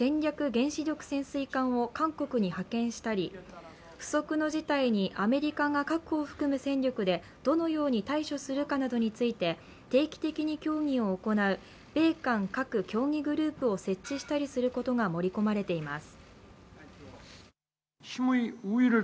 原子力潜水艦を韓国に派遣したり不測の事態に米国が核を含む戦力でどのように対処するかなどについて、定期的に協議を行う米韓核協議グループを設置したりすることが盛り込まれています。